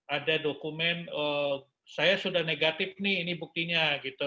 ada dokumen saya sudah negatif nih ini buktinya gitu